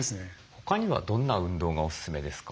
他にはどんな運動がおすすめですか？